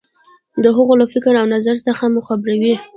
د هغو له فکر او نظر څخه مو خبروي.